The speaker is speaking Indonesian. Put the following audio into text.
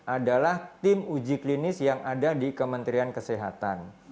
adalah tim uji klinis yang ada di kementerian kesehatan